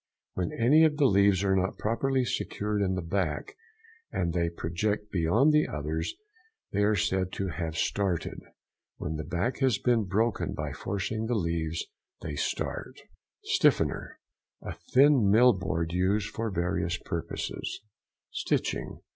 —When any of the leaves are not properly secured in the back, and they project beyond the others, they are said to have started. When the back has been broken by forcing the leaves they start. STIFFENER.—A thin mill board used for various purposes. STITCHING.